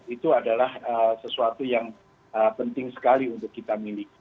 itu adalah sesuatu yang penting sekali untuk kita miliki